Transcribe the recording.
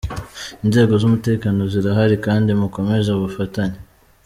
Inzego z’umutekano zirahari kandi mukomeze ubufatanye.